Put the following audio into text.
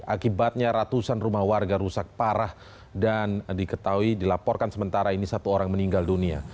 akibatnya ratusan rumah warga rusak parah dan diketahui dilaporkan sementara ini satu orang meninggal dunia